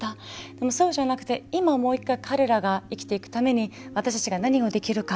でもそうじゃなくて今彼らが生きていくために私たちが何ができるか。